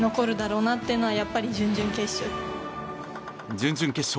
準々決勝